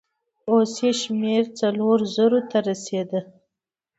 اوس يې شمېر څلورو زرو ته رسېده.